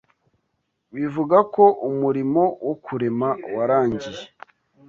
bivuga ko umurimo wo kurema warangiye